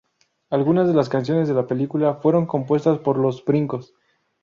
Algunas de las canciones de la película fueron compuestas por Los Brincos.